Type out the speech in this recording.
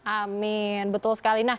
amin betul sekali